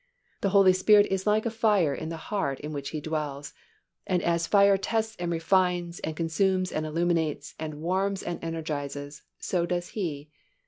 The Holy Spirit is like a fire in the heart in which He dwells; and as fire tests and refines and consumes and illuminates and warms and energizes, so does He.